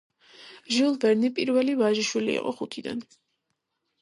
ჟიულ ვერნი პირველი ვაჟიშვილი იყო ხუთიდან.